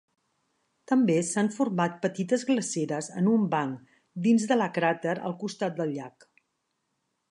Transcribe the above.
També s'han format petites glaceres en un banc dins de la cràter al costat del llac.